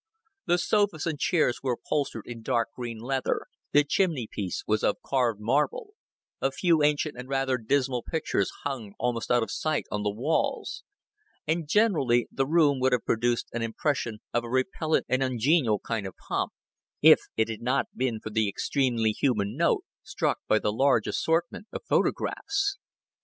The sofas and chairs were upholstered in dark green leather, the chimney piece was of carved marble, a few ancient and rather dismal pictures hung almost out of sight on the walls; and generally, the room would have produced an impression of a repellent and ungenial kind of pomp, if it had not been for the extremely human note struck by the large assortment of photographs.